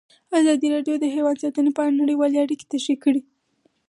ازادي راډیو د حیوان ساتنه په اړه نړیوالې اړیکې تشریح کړي.